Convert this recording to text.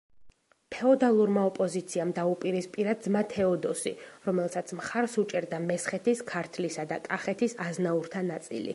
ფეოდალურმა ოპოზიციამ დაუპირისპირა ძმა თეოდოსი, რომელსაც მხარს უჭერდა მესხეთის, ქართლისა და კახეთის აზნაურთა ნაწილი.